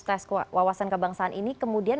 tes wawasan kebangsaan ini kemudian